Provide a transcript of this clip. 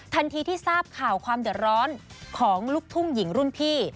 ทันทีที่ทราบข่าวความเดือดร้อนของลูกทุ่งหญิงรุ่นพี่